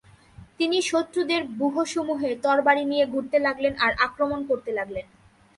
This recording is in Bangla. তিনি শত্রুদের ব্যুহসমূহে তরবারী নিয়ে ঘুরতে লাগলেন আর আক্রমণ করতে লাগলেন।